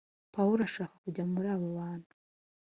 Pawulo ashaka kujya muri abo bantu